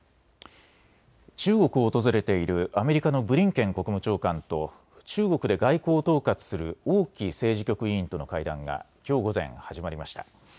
中国を訪れているアメリカのブリンケン国務長官と中国で外交を統括する王毅政治局委員との会談がきょう午前、始まりました。